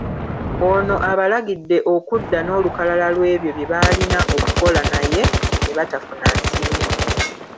Ono abalagidde okudda n’olukalala lw’ebyo bye baalina okukola naye ne batafuna nsimbi.